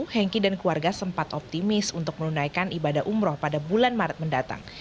hengki dan keluarga sempat optimis untuk menunaikan ibadah umroh pada bulan maret mendatang